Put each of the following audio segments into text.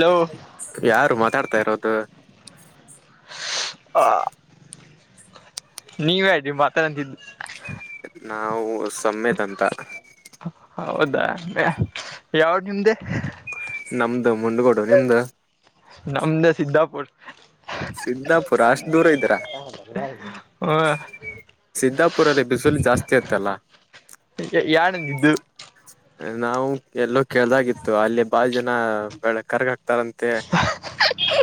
Hello. ಯಾರು ಮಾತಾಡ್ತಾ ಇರೋದು. ಹ. ನೀವ ಹೇಳ್ರಿ ಮಾತದ ಅಂತಿದ್ದು. ನಾವು ಸಮೆತ್ ಅಂತ. ಹೌದಾ ಯಾವ ನಿಮ್ದೆ. ನಮ್ದು ಮುಂಡ್ಗೋಡು ನಿಮ್ದ. ನಮ್ದೇ ಸಿದ್ದಾಪುರ್. ಸಿದ್ದಾಪುರ ಅಷ್ಟ್ ದೂರ ಇದರಾ. [inaudible] ಹಾ. ಸಿದ್ದಾಪುರಲ್ಲಿ ಬಿಸಿಲು ಜಾಸ್ತಿ ಅಂತಲ್ಲ. ಯಾರ್ ಅಂದಿದ್ದು. ನಾವು ಎಲ್ಲೋ ಕೇಳ್ದಾಗಿತ್ತು ಅಲ್ಲಿ ಬಾಳ ಜನ ಬೆಳ ಕರ್ಗ ಹಾಕ್ತಾರಂತೆ. [inaudible] [inaudible] [inaudible]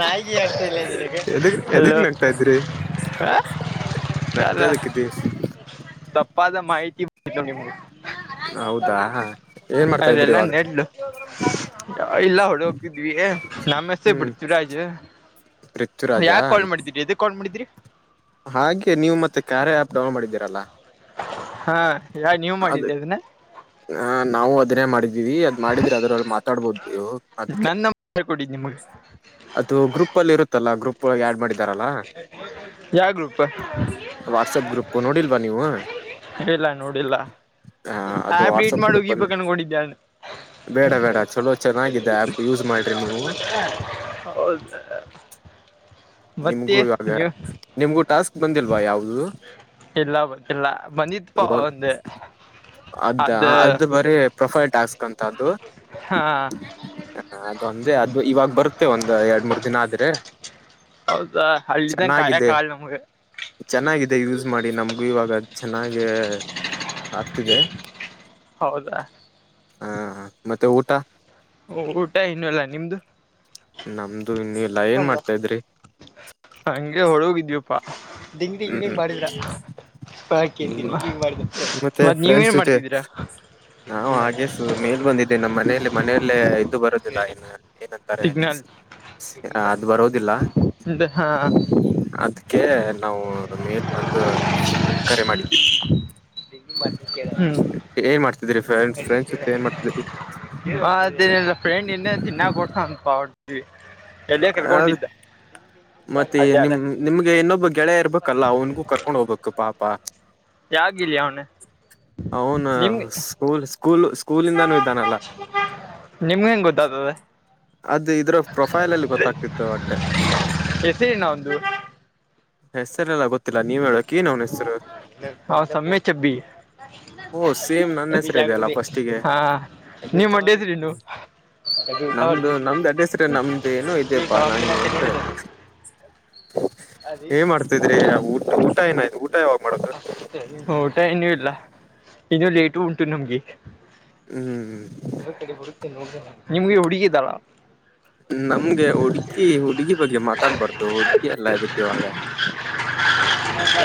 ನಾಯ ಗಿಯ ಅರ್ತಿ ಇಲ್ಲಕ್ಕೆ ಎದಕ್ ಎದಕ್ ಅಲ್ಲೋ. ನಗ್ತಾ ಇದ್ರಿ ನಗ್ತಾ [unintelligible] ಇದಕ್ಕಿದ್ದಿ ತಪ್ಪಾದ ಮಾಹಿತಿ [unintelligible] ನಿಮ್ಗೆ. ಹೌದಾ ಏನ್ ಮಾಡ್ತಾ ಇದ್ರಿ ಅದೆಲ್ಲಾ ಇವಾಗ. ನೆಡ್ಲು ಇಲ್ಲ ಹೊಡೆ ಹೋಗ್ತಿದ್ವಿ ನಮ್ ಹೆಸರು ಪ್ರಿಥ್ವಿರಾಜ್. ಪೃಥ್ವಿರಾಜ್. ಕಾಲ್ ಮಾಡಿದೀರಿ ಎದಕ ಕಾಲ್ ಮಾಡಿದ್ರಿ. ಹಾಗೆ ನೀವು ಮತ್ತೆ ಕಾರ್ಯ ಆ್ಯಪ್ ಡೌನ್ ಮಾಡಿದ್ದೀರಲ್ಲಾ. ಹಾ ಯಾ ನೀವ್ ಮಾಡಿದ್ದೆ ಅದನ್ನ. ಹಾ ನಾವು ಅದನ್ನೇ ಮಾಡಿದ್ದೀವಿ ಅದ್ ಮಾಡಿದ್ರೆ ಅದ್ರಲ್ಲಿ ಮಾತಾಡ್ಬೋದು ನೀವು ಅದಕ್ಕೆ. ನನ್ನ ನಂಬರ್ ಕೊಟ್ಟಿದ್ ನಿಮ್ಗೆ ಅದು ಗ್ರೂಪ್ ಅಲ್ಲಿ ಇರುತ್ತಲ್ಲ ಗ್ರೂಪ್ ಆ್ಯಡ್ ಮಾಡಿದ ದರಲ್ಲ ಯಾವ ಗ್ರೂಪ್ ವಾಟ್ಸಪ್ ಗ್ರೂಪ್ ನೋಡಿಲ್ವಾ ನೀವು. ನೋಡಿಲ್ಲಾ ನೋಡಿಲ್ಲ ಆ ಅದು ಯಪ ವಾಟ್ಸಪ್ ಗ್ರೂಪ ಅಲ್ಲಿ ಬೇಡ ಬೇಡ ಚಲೋ ಚೆನ್ನಾಗಿದೆ ಆ್ಯಪ್ ಯೂಸ್ ಮಾಡ್ರಿ ನೀವು. [inaudible] ಹೌದ. [unintelligible] ನಿಮಗೂ ಟಾಸ್ಕ್ ಬಂದಿಲ್ವಾ ಯಾವುದ್ದುದ್ ಇಲ್ಲ ಗೊತ್ತಿಲ್ಲ ಬಂದಿತ್ಪ ಇವಾಗ್ ಒಂದು ಅದ ಅದು ಬರೀ ಪ್ರೊಫೈಲ್ ಟಾಸ್ಕ್ ಹಾ ಹ ಅದೊಂದೇ ಅದು ಇವಾಗ ಬರುತ್ತೆ ಒಂದ್ ಎರಡ್ ಮೂರ್ ದಿನ ಆದ್ರೆ ಹೌದಾ ಹಳ್ಳಿದಂಗ ಚೆನ್ನಾಗಿದೆ ಕಾಯಕ ಆಲ್ ನಮ್ಗೆ ಚೆನ್ನಾಗಿದೆ ಯೂಸ್ ಮಾಡಿ ನಮ್ಗು ಇವಾಗ ಚೆನ್ನಾಗೇ ಆಗ್ತಿದೆ ಹೌದಾ ಹಾ ಹಾ ಮತ್ತೆ ಊಟ ಓ ಊಟ ಇನ್ನೂ ಇಲ್ಲಾ ನಿಮ್ದು. ನಮ್ದು ಇನ್ನೂ ಇಲ್ಲಾ ಏನ್ ಕೊಂಡ್ರ ಮಾಡ್ತಾ ಇದ್ರಿ. ಹಂಗೆ ಹೊಳೋಗಿದ್ಯಪ್ಪಾ ಡಿಂಗ್ ಡಿಂಗ್ ಹ್ಮ್ ಮಾಡಿದ್ರಾ ಹಾ ಕೇಳ್ತೀ ಹ್ಮ್ ಮಾಡ್ ಮತ್ತೆ ಮತ್ತ್ ನೀವ್ ಫ್ರೆಂಡ್ಸ್ ಏನ್ ಜೊತೆ ಮಾಡ್ತಿದೀರಾ. ಮೇಲೆ ಬಂದಿದ್ದೇ ನಮ್ಮ್ ಮನೆಯಲ್ಲಿ ಮನೆಯಲ್ಲೇ ಇದ್ದು ಬರೋದಿಲ್ಲ ಇನ್ ಏನಂತಾರೆ. ಸಿಗ್ನಲ್ ಅದು ಬರೋದಿಲ್ಲ ಹಾ ಅದಕ್ಕೆ ಹ್ಮ್ ಮೇಲ್ ಬಂದು ಕರೆ ಮಾಡಿದೀವಿ ಮತ್ತೆ ಹ್ಮ್ ಏನ್ ಮಾಡ್ತಿದ್ರಿ ಡಿಂಗ್ ಡಿಂಗ್ ಫ್ರೆಂಡ್ಸ್ ಫ್ರೆಂಡ್ಸ್ ಜೊತೆ ಮಾಡಿದ್ರ ಏನ್ ಮಾಡ್ತಿದ್ರಿ. ಅದೇನಿಲ್ಲ [unintelligible] ಹ್ ಕರ್ಕೊಂಡಿದ್ದ ಮತ್ತೆ ಅಡ್ಡಾಡ ನಿಮ್ ನಿಮಗೆ ಇನ್ನೊಬ್ಬ ಗೆಳೆಯ ಇರ್ಬೇಕಲ್ಲ ಅವನ್ಗೂ ಕರ್ಕೊಂಡ್ ಹೋಗ್ಬೇಕು ಪಾಪ. ಯಾಗಿಲ್ಲ ಅವನು ಅವನ ನಿಮ್ ಸ್ಕೂಲ್ ಸ್ಕೂಲ್ ಸ್ ಕೂಲ್ ಇದನಲ್ಲ ನಿಮ್ಗೆ ಹೆಂಗ್ ಗೊತ್ತಾಗ್ತದೆ ಅದ್ ಇದ್ರ್ ಪ್ರೊಫೈಲ್ ಅಲ್ಲಿ ಗೊತ್ತಾಗ್ತಿತ್ತು ಒಟ್ಟ್ ಜೀರ್ಣ ಒಂದ್ ಹೆಸರೆಲ್ಲ ಗೊತ್ತಿಲ್ಲ ನೀವ್ ಹೇಳಕ್ ಏನ್ ಅವ್ನ ಹೆಸರು. ಹ ಸಮ್ಯ ಚಬಿ ಓ ಸೇಮ್ ನನ್ನ ಹೆಸರು ಇದೆಯಲ್ಲ [unintelligible] ಫಸ್ಟಿಗೆ ಹಾ ನೀವ್ ಮಡ್ಯದಿರೇನು. ನಮ್ದು ನಮ್ದ್ ಅಡ್ರೆಸ್ ನಮ್ದು ಏನೋ ಇದ್ಯಪ್ಪಾ ನಂಗ್ ನೆನಪೆ ಇಲ್ ಏನ್ ಮಾಡ್ತಿದ್ರಿ ಊಟ ಊಟ ಏನಾಯ್ತು ಊಟ ಯಾವಾಗ ಮಾಡದ್ ಊಟ ಇನ್ನೂ ಇಲ್ಲ ಇನ್ನೂ ಲೇಟು ಉಂಟು ನಮಗೆ. ಹ್ಮ್ ಹ್ಮ್ ಕಡೆ ಬರುತ್ತೋಡ ನಿಮ್ಗೆ ಹುಡುಗಿ ಇದ್ದಾಳ. ನಮ್ಗೆ ಹುಡುಗಿ ಹುಡುಗಿ ಬಗ್ಗೆ ಮಾತಾಡಬಾರದು ಹುಡುಗಿ ಅಲ್ಲ ಇದಕ್ಕೆ ಇವಾಗ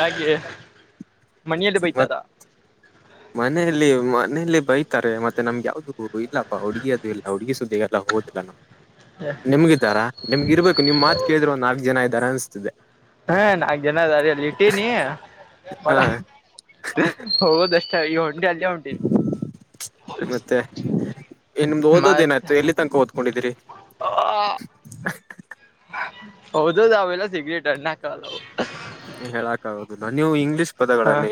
ಯಾಕೆ ಮನೆಯಲ್ಲಿ ಮತ್ ಬೈತಾರ. ಮನೆಯಲ್ಲಿ ಮನೇಲಿ ಬೈತಾರೆ ಮತ್ತೆ ನಮ್ಗೆ ಯಾವ್ದ್ ಇಲ್ಲಾಪ್ಪ ಹುಡುಗಿ ಅದು ಇಲ್ಲ ಹುಡುಗಿ ಸುದ್ದಿಗೆಲ್ಲ ಹೋಗೋದಿಲ್ಲ ನಾವು. ನಿಮಗೆ ಇದ್ದಾರಾ ನಿಮಗ್ ಇರಬೇಕು ನಿಮ್ ಮಾತು ಕೇಳಿದ್ರೆ ಒಂದು ನಾಲ್ಕು ಜನ ಇದ್ದಾರೆ ಅನಿಸ್ತಿದೆ. ಹ್ಮ್ ನಾಕ್ ಜನ ಅದರಲ್ಲಿ ಇಟ್ಟೀನಿ. ಹಾ ಹೌದಷ್ಟ್ ಈ ಹೊಂಟಿ ಅಲ್ಲಿ ಉಂಟೆ ಮತ್ತೆ ನಿಮ್ದ್ ಓದೋದು ಏನಾಯ್ತು ಎಲ್ಲಿ ತನಕ ಓದ್ಕೊಂಡಿದೀರಿ. ಆ ಓದೆದಲ್ಲ ಅವೆಲ್ಲ ಸಿಗ್ರೇಟರ್ ನಕಾಲ್ ಹೇಳಕಾಗುವುದಿಲ್ಲ ನೀವು ಇಂಗ್ಲೀಷ್ ಹ ಪದಗಳು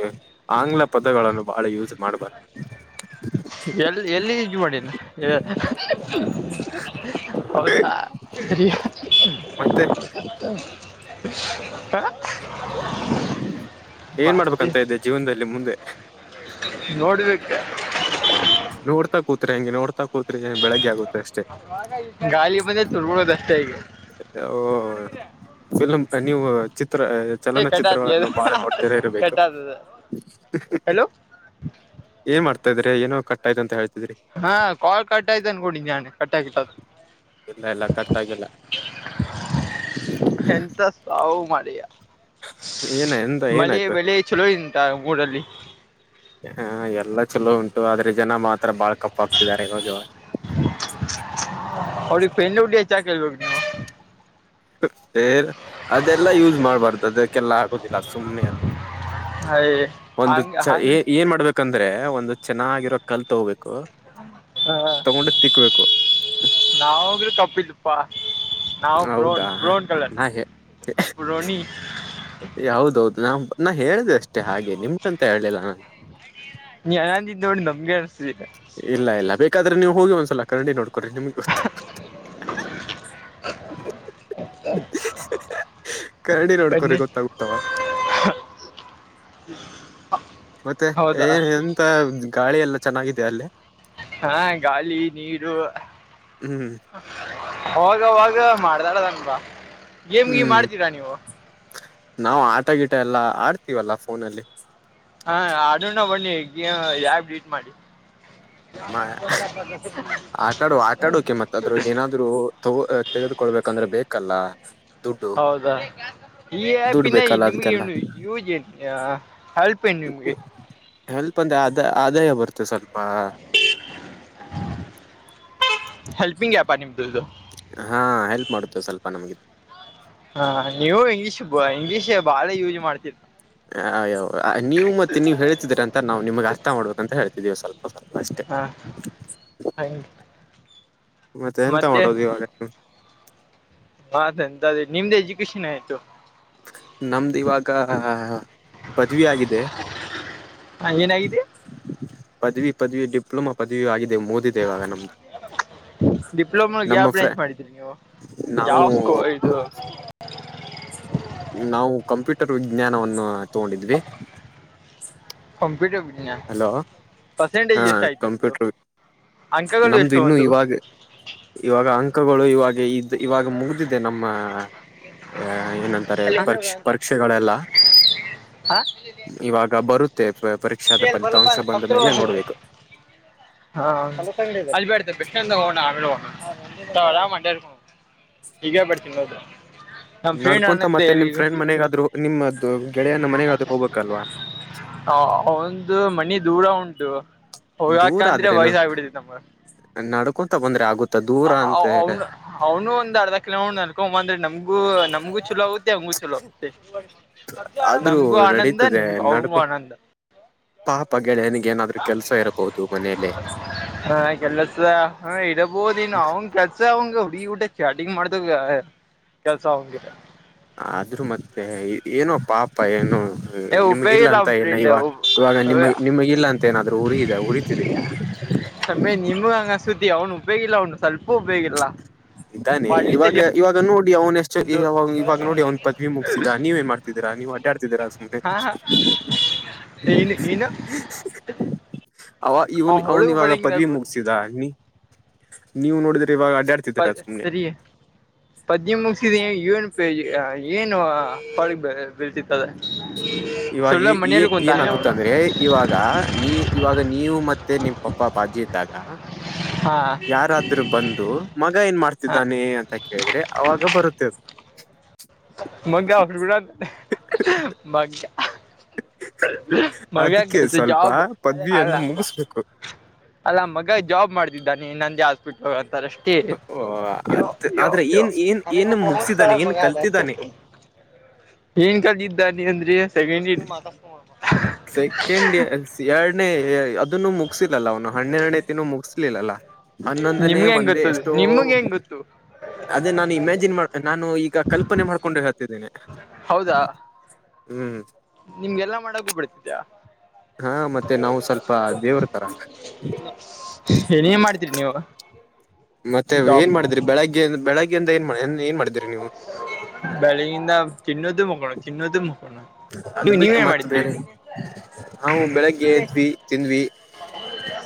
ಆಂಗ್ಲ ಪದಗಳನ್ನು ಬಾಳ ಯೂಸ್ ಮಾಡಬಾರದು. ಎಲ್ಲಿ ಎಲ್ಲಿ ಯೂಸ್ ಮಾಡಿನಿ ಹೌದಾ. ರಿ ಮತ್ತೆ ಹ ಏನ್ ಮತ್ತೆ ಮಾಡ್ಬೇಕಂತ ಇದ್ದಿ ಜೀವನದಲ್ಲಿ ಮುಂದೆ. ನೋಡಿಬೇಕೆ. ನೋಡ್ತಾ ಕೂತ್ರ್ ಹೆಂಗೆ ನೋಡ್ತಾ ಕೂತ್ರ್ನೆ ಬೆಳಗ್ಗೆ ಆಗುತ್ತೆ ಅಷ್ಟೇ. ಗಾಳೀ ಬಂದೖತ್ ತುರ್ಬಡದ್ ಅಷ್ಟೆ ಈಗ. ಓ [unintelligible] ಚಿತ್ರ ಏ ಕಟ್ಟಾತ್ಲಿ ಅದು ಚಲನಚಿತ್ರಗಳನ್ನು ಬಾಳ ನೋಡ್ತಿರ ಇರಬೇಕು. ಕಟ್ಟಾತದ ಹಲೋ ಏನ್ ಮಾಡ್ತ ಇದ್ರ ಏನೊ ಕಟ್ಟಾಯ್ತ ಅಂತ ಹೇಳ್ತಿದ್ರಿ. ಹಾ ಕಾಲ್ ಕಟ್ಟಾಯ್ತ ಅನ್ಕೊಂಡಿ ನಾನೆ ಕಟ್ಟ ಆಗಿತ್ತದು. ಇಲ್ಲ ಇಲ್ಲ ಕಟ್ಟ್ ಆಗಿಲ್ಲ. ಎಂತ ಸಾವು ಮಾರಾಯಾ. ಏನ ಎಂತ ಮಳೆ ಏನಾಯ್ತು ಬೆಳೆ ಚಲೋ ಇಂತ ಊರಲ್ಲಿ. ಹಾ ಎಲ್ಲ ಚಲೋ ಉಂಟು ಆದ್ರೆ ಜನ ಮಾತ್ರ ಬಾಳ್ ಕಪ್ಪಾಕ್ತಿದ್ದಾರೆ ಈವಾಗಿವಾಗ. ಅವ್ರಿಗೆ ಪೆನ್ [unintelligible] ಹೆಚ್ಚಾಕೇಳ್ಬೇಕ ಏ ಅದೆಲ್ಲ ಯೂಸ್ ಮಾಡ್ಬಾರ್ದು ಅದಕ್ಕೆಲ್ಲ ಆಗೋದಿಲ್ಲ ಸುಮ್ನೆ ಅದು. ಅಯ್ ಒಂದು ಹಂಗ ಚ ಹಂಗ ಏ ಏನ್ ಮಾಡ್ಬೇಕು ಯಕಂದ್ರೆ ಒಂದು ಚೆನ್ನಾಗಿರೋ ಕಲ್ ತಗೋಬೇಕು ತಗೊಂಡು ತಿಕ್ಬೇಕು. ನಾವೋಗ್ರ ಕಪ್ಪಿಲ್ಪಾ ನಾವು ಬ್ರೋನ್. ಹ ಹ ಬ್ರೌನಿ. ಯಾ ಹೌದೌದು ನಾ ನಾ ಹೇಳ್ದೆ ಅಷ್ಟೇ ಹಾಗೆ ನಿಮ್ಗಂತ ಹೇಳಲಿಲ್ಲ ನಾನು. ನಿ [unintelligible] ನೋಡಿ ನಮ್ಗೆ ಅನ್ಸದಿಲ್ಲ. ಇಲ್ಲ ಇಲ್ಲ ಬೇಕಾದ್ರೆ ನೀವು ಹೋಗಿ ಒಂದ್ಸಲ ಕನ್ನಡಿ ನೋಡ್ [unintelligible] ಕನ್ನಡಿ ನೋಡ್ಕೋರಿ ಗೊತ್ತಾಗುತ್ತಾವಾಗ. ಹ [inaudible] ಮತ್ತೆ ಏನ್ ಎಂತ ಗಾಳಿ ಎಲ್ಲ ಚೆನ್ನಾಗಿದ್ಯಾ ಅಲ್ಲಿ. ಹಾ ಗಾಳಿ ನೀರು. ಹ್ಮ್ ಅವಾಗವಾಗ ಮಾಡ್ದಾಳದನ್ ಬಾ ಗೇಮ್ಗೀಗ್ ಹ್ಮ್ ಆಡ್ತೀರಾ ನೀವು. ನಾವು ಆಟಗಿಟ ಎಲ್ಲ ಆಡ್ತೀವಲ್ಲ ಫೋನಲ್ಲಿ. ಹಾ ಅಡೋಣ ಬನ್ನಿ ಯಾರ್ ಬೀಟ್ ಮಾಡಿ. ಮಾ ಆಟಾಡುವ ಆಟಾಡೋಕೆ ಮತ್ತ್ ಅದ್ರಗ್ ಏನಾದ್ ದ್ರೂ ತಗೋ ತೆಗೆದುಕೊಳ್ಬೇಕಂದ್ರೆ ಬೇಕಲ್ಲ. ದುಡ್ಡು ಹೌದಾ ಈ ದುಡ್ಡು ಆಪ್ನ ಬೇಕಲ್ಲ ನಿಮ್ಗೆ ಅದಕ್ಕೆಲ್ಲ ನು ಯೂಜ ಹೆಲ್ಪ್ ನ್ ನಿಮ್ಗೆ. ಹೆಲ್ಪ್ ಅಂದ್ರೆ ಅ ಆದಾಯ ಬರುತ್ತೆ ಸ್ವಲ್ಪ. ಹೆಲ್ಪಿಂಗ್ ಆಪ ನಿಮದುರ್ದು. ಹಾ ಹೆಲ್ಪ್ ಮಾಡುತ್ತೆ ಸ್ವಲ್ಪ ನಮಗೆ. ಹಾ ನೀವು ಇಂಗ್ಲೀಷ್ ಇಂಗ್ಲೀಷ್ ಬಾಳ ಯೂಸ್ ಮಾಡ್ತಿರಿ. ಅಯ್ಯೋ ನೀವು ಮತ್ತೆ ನೀವು ಹೇಳ್ತಿದ್ರ ಅಂತ ನಾವು ನಿಮ್ಗ್ ಅರ್ಥ ಮಾಡ್ಬೇಕ ಅಂತ ಹೇಳ್ತಿದೀವಿ ಸ್ವಲ್ಪ ಸ್ವಲ್ಪ. ಅಷ್ಟೇ ಹಾ ಹಾಗ ಮತ್ತೆ ಎಂತ ಮಾಡೋದು ಇವಾಗ. ಅದಂತ ನಿಮ್ದ್ ಎಜುಕೇಶನ್ ಏನಾಯ್ತು. ನಮ್ದು ಇವಾಗ ಪದ್ವಿ ಆಗಿದೆ. ಹಾ ಏನಾಗಿದೆ? ಪದ್ವಿ ಪದ್ವಿ ಡಿಪ್ಲೊಮಾ ಪದ್ವಿಯೂ ಆಗಿದೆ ಮೋದಿದೆೇವಾಗ ನಮ್ದು. ಡಿಪ್ಲೊಮಾಗ್ ಯಾವ ನಮ್ಮ ಫ್ರ ಬ್ರೆಂಜ್ ಮಾಡಿದ್ರಿ ನೀವು ನಾವು ಯಾವ್ ಸ್ಕೂ ಇದು. ನಾವು ಕಂಪ್ಯೂಟರ್ ವಿಜ್ಞಾನವನ್ನು ತಗೊಂಡಿದ್ವಿ ಕಂಪ್ಯೂಟರ್ ವಿಜ್ಞಾನ ಹಲೋ ಹಾ ಪರ್ಸೆಂಟೇಜ್ ಎಷ್ಟು ಆಯ್ತು ನಿಮ್ದು ಕಂಪ್ಯೂಟರ್ ವಿಜ್ಞಾನ ಅಂಕಗಳು ನಮ್ದು ಎಷ್ಟು ಇನ್ನುೂ ಒಂದು ಇವಾಗ ಇವಾಗ ಅಂಕಗಳು ಇವಾಗ ಇದ ಇವಾಗ ಮುಗಿದಿದೆ ನಮ್ಮ ಅ ಏನಂತಾರೆ ಪರೀಕ್ಷೆ ಪರೀಕ್ಷೆಗಳೆಲ್ಲ ಇವಾಗ ಬರುತ್ತೆ ಪರೀಕ್ಷಾದ ಫಲಿತಾಂಶ ಬಂದ ಮೇಲೆ ನೋಡ್ಬೇಕು ಹಾ ಅಡ್ [unintelligible] ಆರಾಮ ಅಡಾಡ ಹೀಗ ಬರ್ತೀನಿ [unintelligible] ನಡ್ಕೊಂತ ಅನ್ನದ್ದೆ ಮತ್ತೆ ನಿಮ್ ಎಲ್ಲಿಗ ಫ್ರೆಂಡ್ ಮನೆಗಾದ್ರು ನಿಮ್ಮ ಗೆಳೆಯನ ಮನೆಗಾದ್ರೂ ಹೋಗ್ಬೇಕಲ್ವಾ ಒಂದು ಮನಿ ದೂರ ಉಂಟು ಹೋಗಾಕ ಅಂದ್ರೆ ವಯಸ್ಸ ಆಗ್ಬಿಡ್ತಿತಿ ತಮ ನಡ್ಕೊತಾ ಬಂದ್ರೆ ಆಗುತ್ತೆ [unintelligible] ಅವ್ನು ಒಂದ್ ಅರ್ಧ ಕಿಲೋಮೀಟರ್ ನಡಕೋಡ ಬಂದ್ರೆ ನಮಗೂ ನಮ್ಗೂ ಛಲೋ ಆಗುತ್ತೆ ಅವಂಗೂ ಚಲೋ ಆಗುತ್ತೆ ಆದ್ರೂ ನಮ್ಗು ಆನಂದ ನಡೀತದೆ ನಿಮಗು ಅವಿಗೂ ನಡ್ಕೊ ಆನಂದ ಪಾಪ ಗೆಳೆಯನಿಗೆ ಏನಾದ್ರೂ ಕೆಲಸ ಇರಬಹುದು ಮನೇಲ್ಲಿ ಹ ಕೆಲಸ ಆ ಇರಬೋದನ್ನೊ ಅವನ್ ಕೆಲ್ಸ ಸ ಅವಂಗ ಹುಡುಗಿ ಹುಟೇತಿ ಚಾಟಿಂಗ್ ಮಾಡ್ದಾಗ ಕೆಲ್ಸ ಅವಂಗ ಆದ್ರರು ಮತ್ತೆ ಏನೋ ಪಾಪ ಏನು ಏ ಉಪಯೋಗ ನಿಮಗಿಲ್ಲಾ ಇಲ್ಲ ಅಂತ ಅವನ್ ಏನ ಫ್ರೆಂಡ್ ಇವಾಗ ಇವಾಗ ನಿಮ್ಮ ಒಮ್ಮೆ ನಿಮಗಲ್ಲಾಂತ ಏನಾದ್ರೂ ಉರಿದೆ ಉರಿತಿದೀಯಾ ಸಮಮ್ಮಯೆ ನಿಮೂ ಹಂಗ ಸುದ್ದಿ ಅವ್ನು ಉಪೇಗಿಲ್ಲ ಅವನು ಸ್ವಲ್ಪ ಉಪೇಗಿಲ್ಲ ಇದಾನೆ ಇವಾಗ ಇವಾಗ ನೋಡಿ ಅವನ ಎಷ್ಟ ಒಂದು [unintelligible] ಇವಾಗ ನೋಡಿ ಒಂದ್ ಪದವಿ ಮುಗತಿದಾ ನೀವ ಏನ್ ಮಾಡ್ತಿದೀರಾ ನೀವು ಅಡ್ಡಾಡ್ತಿದ್ದೀರಾ ಸುಮ್ನೆ ನೀನು ಅವ ಇವನ್ ಅವ್ನು ಇವಾಗ ಪದವಿ ಮುಗಸಿದ ನೀ ನೀವು ನೋಡಿದ್ರೆ ಇವಾಗ ಅಡ್ಡಾಡ್ತ ಸರಿ ಪದವಿ ಮುಗಸಿದ ಏನು ಏನು [unintelligible] ಅದ ಇವಾಗ ಸುಳ್ಳ ಈ ಮನಲಿ ಕುಂತೆ ಏನಾಗುತ್ತ ಅವರು ಅಂದ್ರೆ ಇವಾಗ ನೀ ಇವಾಗ ನೀವು ಮತ್ತೆ ನಿಮ್ ಪಪ್ಪ ಬಾಜು ಇದ್ದಾಗ ಹಾ ಯಾರಾದ್ರೂ ಬಂದು ಮಗ ಏನ್ ಹಾ ಮಾಡ್ತಿದ್ದಾನೆ ಅ ಅಂತ ಕೇಳಿದ್ರೆ ಅವಾಗ ಬರುತ್ತೇದ ಮಗ ಗ ಫಡ ಮಾಗ ಮಗ ಅದಕ್ಕೆ ಕೆಲಸ ಸ್ವಲ್ಪ ಜಾಬ ಅಲ್ಲ. ಪದವಿಯನ್ನು ಮುಗಿಸ್ಬೇಕು ಅಲ್ಲ ಮಗ ಜಾಬ್ ಮಾಡ್ತಿದ್ದಾನೆ ನಂದೇ ಹಾಸ್ಪಿಟ್ಲ್ ಅಂತಾರೆಷ್ಟ. ಯೋ ಯೋ ಆದ್ರೆ ಯೋ ಏನ್ ಏನ್ ಏನ್ ಬಹತ್ ಮುಗಸಿದಾನೆ ಸಾರಾ ಏನ್ ಬಗಾತ. ಕಲ್ತಿದ್ದಾನೆ ಏನ್ ಕಲ್ ಇದಿದ್ದಾನ ಅಂದ್ರೆ [unintelligible] ಸೆಕೆಂಡ್ ಎರಡನೇ ಅದನ್ನು ಮುಕ್. ಮುಗಿಯಲಿಲ್ಲ ಅವನು ಹನ್ನೆರಡನೇ ತಿನ್ ಮುಗಸಲಿಲ್ಲ ಹನ್ನೊಂದನೇ ನಿಮ್ಗೆ ಹೆಂಗ್ ಒಂದೇ ಗೊತ್ತದು ಎಷ್ಟೋ. ನಿಮ್ಗೆ ಹೆಂಗ್ ಗೊತ್ತು ಅದೇ ನಾನು ಇಮ್ಯಾಜಿನ್ ಮಾಡ ನಾನು ಈಗ ಕಲ್ಪನೆ ಮಾಡ್ಕೊಂಡು ಹೇಳ್ತಿದ್ದೇನೆ. ಹೌದಾ ಹ್ಮ್ ನಿಮ್ಗೆಲ್ಲಾ ಮಾಡಕೂ ಬಿಡ್ತಿದ್ಯಾ. ಹಾ ಮತ್ತೆ ನಾವು ಸ್ವಲ್ಪ ದೇವ್ರ ತರ. ಏನೇನ್ ಮಾಡ್ತೀರಿ ನೀವು. ಮತ್ತೆ ಜಾಬ್ ಏನ್ ಮಾಡಿದ್ರರಿ ಬೆಳಗ್ಗೆ ಬೆಳಗ್ಗೆಯಿಂದ ಏನ್ ಮಾಡ ಏನ್ ಮಾಡಿದೀರಿ ನೀವು. ಬೆಳಿಗಿಂದ ತಿನ್ನೋದು ಮುಕೋಣ ತಿನ್ನೋದು ಮುಕೋಳೋದು ಅದ್ ಬಿಟ್ಟು ಮತ್ತ್ ಬೇರೆ ನಾವು ಬೆಳಗ್ಗೆ ಏದ್ವಿ ತಿಂದ್ವಿ.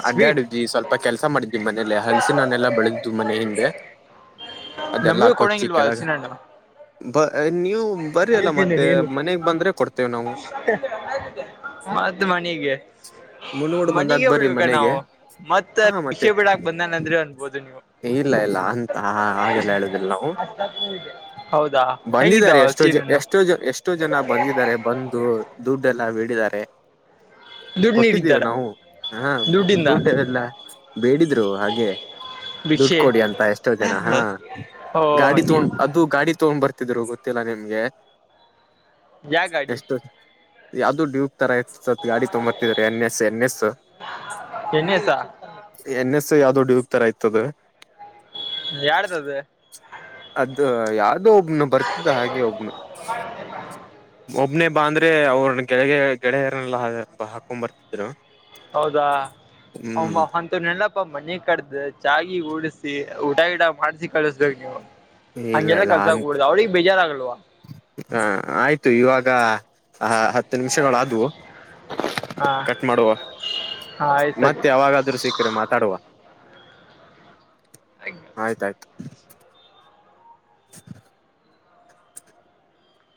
ಸ್ವೀಟ್ ಅಡ್ಡಾಡಿದ್ವಿ ಸ್ವಲ್ಪ ಕೆಲ್ಸ ಮಾಡಿದ್ವಿ ಮನೇಲೆ ಹಲಸಿನ ಹಣ್ಣನೆೆಲ್ಲಾ ಬೆಳೆದಿತ್ತು ಮನೆ ಹಿಂದೆ. ಅದೆಲ್ಲಾ ನಮಗೂ ಕೊಚ್ಚಿ ಕೊಡಂಗಿಲ್ವಾ ಕೆಳಗ ಹಲ್ಸಿನಣ್ಣು ಬ ನೀವು ಬರಿ ಅಲ್ಲ ಮತ್ತೆ ಮನೆಗ್ ಬಂದ್ರೆ ಕೊಡ್ತೇವೆ ನಾವು. [unintelligible] ಮತ್ತ ಮನಿಗೆ. [inaudible] ಮುಣೋಡ್ ಬಂದಾಗ ಮನಿಗೆ ಬರ್ರಿ ಬಿಡ್ಬೇಕ ಮನೆಗೆ ನಾವು ಮತ್ತ ಹಾ ಮತ್ತೆ ಭಿಕ್ಷೆ ಬಿಡಾಕ್ ಬಂದಾನಂದ್ರೆ ಅನ್ಬೋದು ನೀವು ಇಲ್ಲ ಇಲ್ಲ ಅಂತ ಹಾಗೆಲ್ಲ ಹೇಳುದಿಲ್ಲ ನಾವು ಹೌದಾ ಬಂದಿದ [unintelligible] ಹೆಂಗಿದ್ದಾವ ಎಷ್ಟೋ ಜ ಹಲ್ಸಿನಣ್ಣು ಎಷ್ಟೋ ಜ ಎಷ್ಟೋ ಜನ ಬಂದಿದ್ದಾರೆ ಬಂದು ದುಡ್ಡೆ ಎಲ್ಲ [unintelligible] ದ್ದಾರೆ. ದುಡ್ಡು ಕೊಟ್ಟಿದ್ದೀವಿ ನೀಡಿದ್ದಾರ ನಾವು ಹ ದುಡ್ಡಿಂದ ದುಡ್ಡು ಎಲ್ಲ ಬೇಡಿದ್ರು ಹಾಗೆ ದುಡ್ ಭಿಕ್ಷೆ ಕೊಡಿ ಅಂತ ಎಷ್ಟೋ ಜನ ಹಾ ಓ ಗಾಡಿ ಹಂಗೆ ತೊಂಡ ಅದು ಗಾಡಿ ತೊಂಬ್ ಬರ್ತಿದ್ರು ಗೊತ್ತಿಲ್ಲ ನಿಮ್ಗೆ ಯಾ ಗಾಡಿ ಎಷ್ಟು ಯಾವ್ದದು ಡ್ಯ [unintelligible] ತರ ಇತ. ಗಾಡಿ ತೊಂಬರ್ತಿದಿದ್ದಾರೆ N S N S. N S ಆ ಎನ್ ಎಸ್ ಯಾವ್ದೋ ಡ್ಯೂಕ್ ತರ ಇತ್ತದ. ಯಾರ್ದದ? ಅದ ಯಾವ್ದೋ ಒಬ್ನು ಬರ್ತಿದ್ದ ಹಾಗೆ ಒಬ್ನು [unintelligible] [unintelligible] ಒಬ್ನೇ ಬಾ ಅಂದ್ರೆ ಅವ್ರ ಗೆಳಗೆ ಗೆಳೆಯರನ್ನಲ್ಲ ಹಾಕೊಂಡು ಬರ್ತಿದ್ರು. ಹೌದಾ ಹ್ಮ್ [unintelligible] ನೆನಪಾ ಮನೆ ಕರ್ದ್ ಚಾ ಗಿ ಉಡಸಿ ಊಟ ಗಿಟ ಮಾಡ್ಸಿ ಕಳಿಸ್ಬೇಕೇು ನೀವು. ಹಂಗೆಲ್ಲಾ ಕಲ್ಸಕುಡುದು ಅವ್ರಿಗೆ ಬೇಜಾರ್ಗಲ್ವಾ. ಹ ಆಯ್ತು ಇವಾಗ ಆ ಹತ್ ಹತ್ತು ನಿಮಿಷಗಳಾದವು ಹಾ ಕಟ್ ಮಾಡುವ ಹಾ ಆಯ್ತ್ ಮತ್ತೆ ಸರಿ ಯಾವಾಗಾದ್ರೂ ಸಿ [unintelligible] ಮಾತಾಡುವ ಆಯ್ತಾಯ್ತು [unintelligible] [unintelligible]